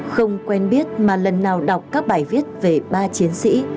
không quen biết mà lần nào đọc các bài viết về ba chiến sĩ